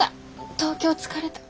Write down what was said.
東京疲れた。